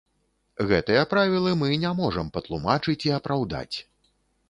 Гэтыя правілы мы не можам патлумачыць і апраўдаць.